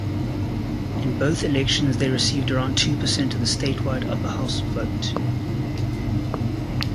In both elections they received around two percent of the statewide upper house vote.